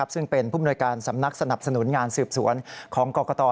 ซึ่งเป็นผู้มนวยการสำนักสนับสนุนงานสืบสวนของกรกต